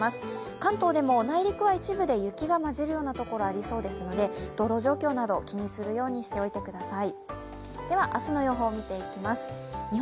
関東でも内陸は一部で雪がまじるようなところがありそうなので道路状況など気になるようにしておいてください。